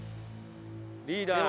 リーダー。